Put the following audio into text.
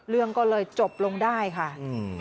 เรื่องก็เลยจบลงได้ค่ะอืม